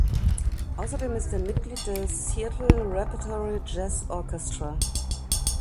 Außerdem ist er Mitglied des "Seattle Repertory Jazz Orchestra".